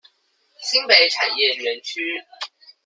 新北產業園區